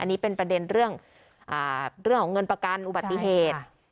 อันนี้เป็นประเด็นเรื่องอ่าเรื่องของเงินประกันอุบัติเหตุใช่ค่ะ